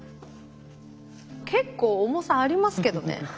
結構重さありますけどね。